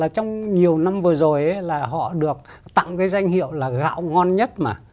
trong nhiều năm vừa rồi họ được tặng danh hiệu gạo ngon nhất